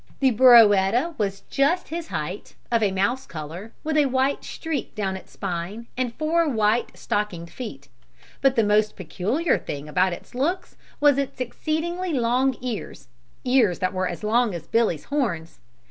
The Burroetta was just his height, of a mouse color, with a white streak down its spine and four white stockinged feet, but the most peculiar thing about its looks was its exceedingly long ears, ears that were as long as Billy's horns.